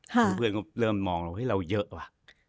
คุณเพื่อนก็เริ่มมองเราเยอะว่ะ